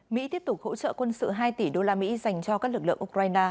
mỹ tiếp tục hỗ trợ quân sự hai tỷ đô la mỹ dành cho các lực lượng ukraine